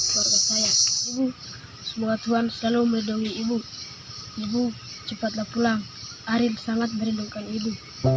semoga tuhan selalu melindungi ibu ibu cepatlah pulang aril sangat merindukan ibu